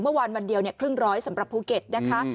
วันเดียวครึ่งร้อยสำหรับภูเก็ตนะคะ